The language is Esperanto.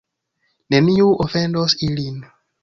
Neniu ofendos ilin.